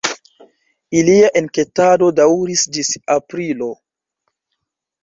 Ilia enketado daŭris ĝis aprilo.